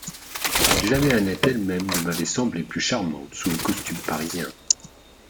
Jamais Annette elle-même ne m'avait semblé plus charmante sous le costume parisien.